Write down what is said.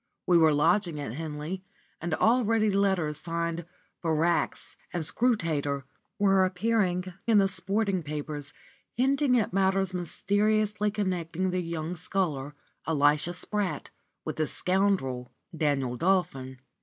We were lodging at Henley, and already letters, signed "Verax" and "Scrutator," were appearing in the sporting papers hinting at matters mysteriously connecting the young sculler, Elisha Spratt, with the scoundrel, Daniel Dolphin.